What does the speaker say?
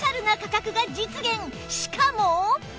しかも